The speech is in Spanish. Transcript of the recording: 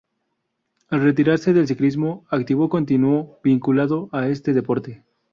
Al retirarse del ciclismo activo continuó vinculado a este deporte.